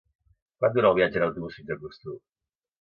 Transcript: Quant dura el viatge en autobús fins a Costur?